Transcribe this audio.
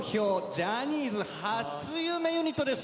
ジャニーズ初夢ユニットです。